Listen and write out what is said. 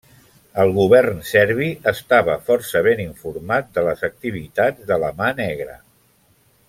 El govern serbi estava força ben informat de les activitats de la Mà Negra.